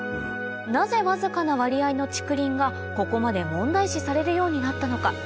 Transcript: なぜわずかな割合の竹林がここまで問題視されるようになったのか？